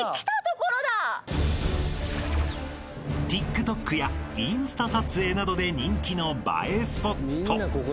［ＴｉｋＴｏｋやインスタ撮影などで人気の映えスポット］